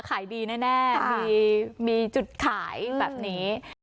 ขายดีแน่มีจุดขายแบบนี้